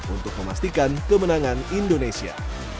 untuk memastikan kemenangan indonesia